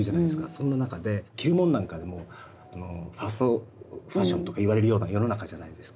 そんな中で着るものなんかでもファストファッションとかいわれるような世の中じゃないですか。